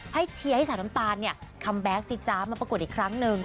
ให้เชียร์ให้สาวน้ำตาลเนี่ยคัมแบ็คซิจ๊ามาประกวดอีกครั้งนึง